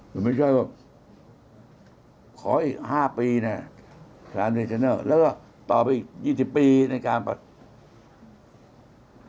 แต่ไม่ใช่ว่าขออีก๕ปีนะแล้วก็ต่อไปอีก๒๐ปีในการปลอดภัย